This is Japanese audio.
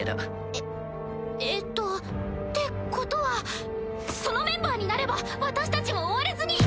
ええっとってことはそのメンバーになれば私たちも追われずに。